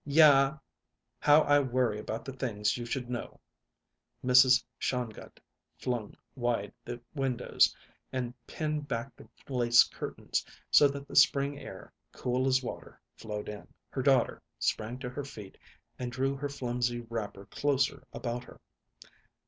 "Ya! How I worry about the things you should know." Mrs. Shongut flung wide the windows and pinned back the lace curtains, so that the spring air, cool as water, flowed in. Her daughter sprang to her feet and drew her filmy wrapper closer about her.